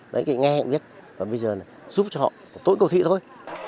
đấy nghe cũng biết và bây giờ giúp cho họ tối cầu thị thôi